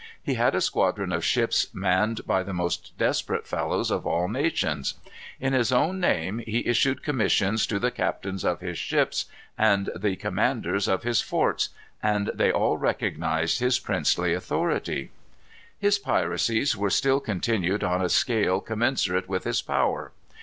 He had a squadron of ships manned by the most desperate fellows of all nations. In his own name he issued commissions to the captains of his ships and the commanders of his forts, and they all recognized his princely authority. His piracies were still continued on a scale commensurate with his power.